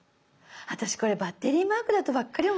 私これバッテリーマークだとばっかり思ってた。